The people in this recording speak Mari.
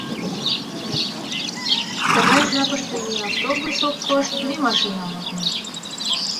Тыгай жапыште ни автобус ок кошт, ни машинам от му.